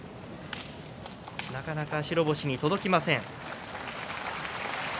なかなか白星に届きません。